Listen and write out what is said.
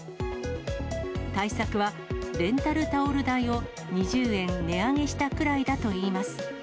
対策は、レンタルタオル代を２０円値上げしたくらいだといいます。